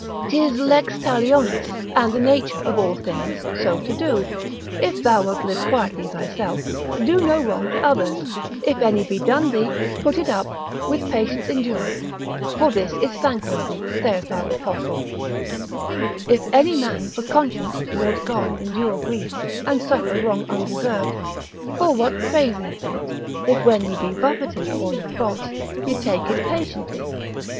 'Tis lex talionis, and the nature of all things so to do: if thou wilt live quietly thyself, do no wrong to others; if any be done thee, put it up, with patience endure it, for this is thankworthy, saith our apostle, if any man for conscience towards God endure grief, and suffer wrong undeserved; for what praise is it, if when ye be buffeted for you faults, ye take it patiently?